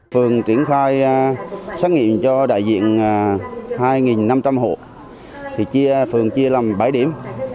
phường triển khai xét nghiệm cho đại diện hai năm trăm linh hộ chia phường chia làm bảy điểm